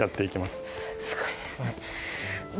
すごいですね。